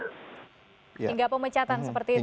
hingga pemecatan seperti itu